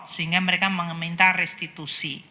sehingga mereka meminta restitusi